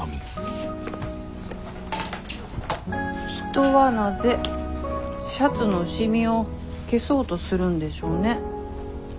人はなぜシャツの染みを消そうとするんでしょうね。